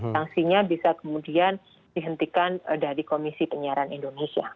sanksinya bisa kemudian dihentikan dari komisi penyiaran indonesia